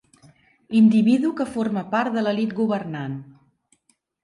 Individu que forma part de l'elit governant.